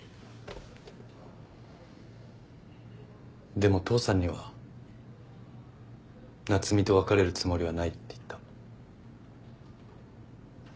でも父さんには夏海と別れるつもりはないって言った。